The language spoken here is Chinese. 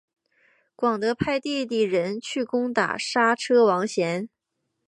广德派弟弟仁去攻打莎车王贤。